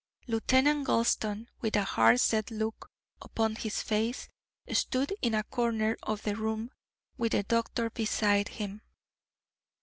Lieutenant Gulston, with a hard set look upon his face, stood in a corner of the room with the doctor beside him.